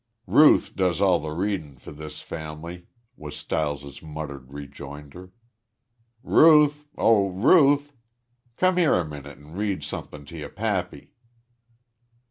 "Ruth does all th' reading for this fam'ly," was Stiles's muttered rejoinder. "Ruth! Oh, Ruth! Come here a minute an' read somethin' to yo' pappy!"